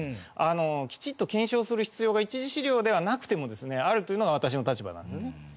きちっと検証する必要が一次史料ではなくてもですねあるというのが私の立場なんですよね。